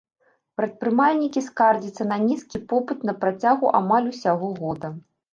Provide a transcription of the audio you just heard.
Прадпрымальнікі скардзяцца на нізкі попыт на працягу амаль ўсяго года.